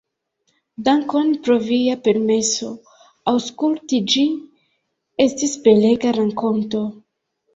Dankon pro via permeso aŭskulti, ĝi estis belega rakonto.